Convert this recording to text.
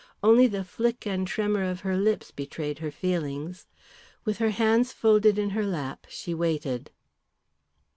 Only the flick and tremor of her lips betrayed her feelings. With her hands folded in her lap she waited.